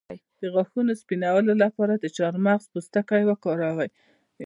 د غاښونو سپینولو لپاره د چارمغز پوستکی وکاروئ